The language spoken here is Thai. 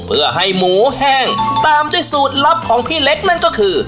เพื่อให้หมูแห้งตามด้วยสูตรลับของพี่เล็กนั่นก็คือ